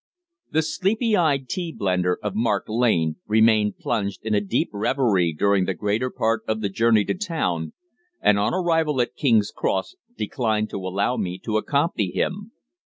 The sleepy eyed tea blender of Mark Lane remained plunged in a deep reverie during the greater part of the journey to town, and on arrival at King's Cross declined to allow me to accompany him.